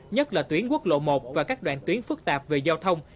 nhất là tuyến quốc lộ một và các đoạn tuyến phức tạp về giao thông